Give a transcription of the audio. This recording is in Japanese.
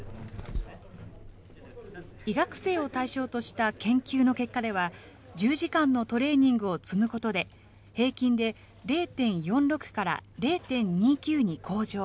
医学生を対象とした研究の結果では、１０時間のトレーニングを積むことで、平均で０．４６から０．２９に向上。